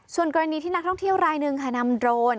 ส่วนกรณีที่นักท่องเที่ยวรายหนึ่งค่ะนำโดรน